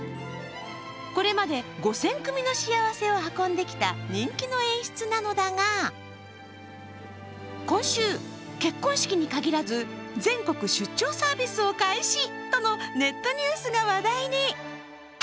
これまで５０００組の幸せを運んできた人気の演出なのだが今週、結婚式に限らず全国出張サービスを開始とのネットニュースが話題に。